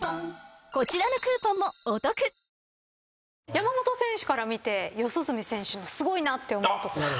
山本選手から見て四十住選手のすごいなって思うところ。